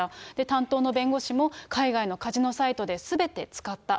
担当の弁護士も海外のカジノサイトですべて使った。